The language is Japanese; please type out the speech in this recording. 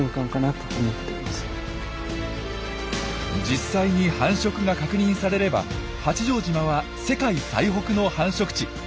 実際に繁殖が確認されれば八丈島は世界最北の繁殖地。